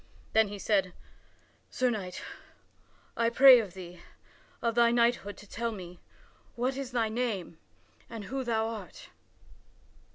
Then he said: "Sir Knight, I pray thee of thy knighthood to tell me what is thy name and who thou art."